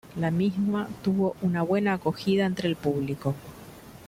La misma tuvo una buena acogida entre el público.